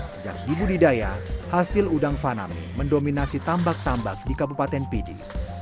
sejak di budidaya hasil udang faname mendominasi tambak tambak di kepupatan pidi